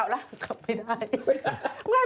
กลับไม่ได้